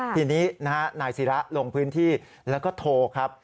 ทีนี้นะฮะนายศิระลงพื้นที่แล้วก็โทรครับ